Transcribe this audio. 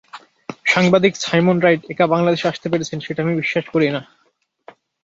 সাংবাদিক Simon Wright একা বাংলাদেশে আসতে পেরেছেন, সেটা আমি বিশ্বাস করি না।